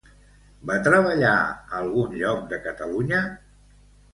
Va treballar a algun lloc de Catalunya?